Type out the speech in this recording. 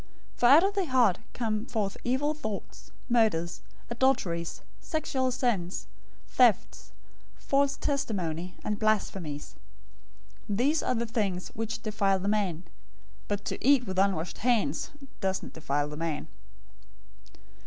015:019 For out of the heart come forth evil thoughts, murders, adulteries, sexual sins, thefts, false testimony, and blasphemies. 015:020 These are the things which defile the man; but to eat with unwashed hands doesn't defile the man."